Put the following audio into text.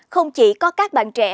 không chỉ có các bạn trẻ